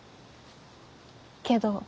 けど。